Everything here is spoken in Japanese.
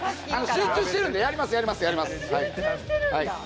集中してるんで、やります、やります。